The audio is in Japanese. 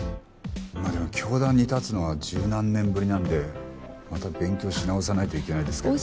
まあでも教壇に立つのは十何年ぶりなんでまた勉強し直さないといけないですけど。